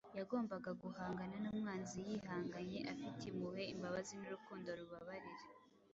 yagombaga guhangana n’umwanzi yihanganye, afite impuhwe, imbabazi n’urukundo rubabarira.